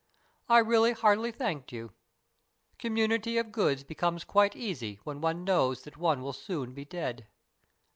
I really hardly thanked you. Community of goods becomes quite easy when one knows that one will soon be dead.